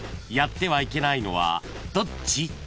［やってはいけないのはどっち？］